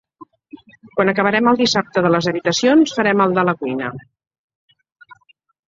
Quan acabarem el dissabte de les habitacions farem el de la cuina.